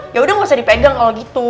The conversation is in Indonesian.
yaudah gak usah dipegang kalau gitu